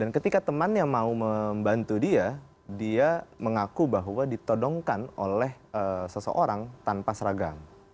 ketika temannya mau membantu dia dia mengaku bahwa ditodongkan oleh seseorang tanpa seragam